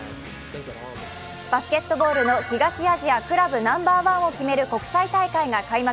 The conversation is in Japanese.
バスケットボールの東アジア・クラブナンバーワンを決める国際大会が開幕。